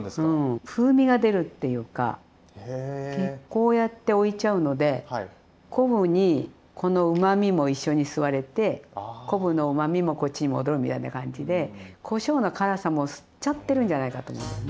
こうやって置いちゃうので昆布にこのうまみも一緒に吸われて昆布のうまみもこっちに戻るみたいな感じでこしょうの辛さも吸っちゃってるんじゃないかと思うんだよね。